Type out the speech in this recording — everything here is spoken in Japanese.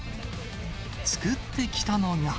作ってきたのが。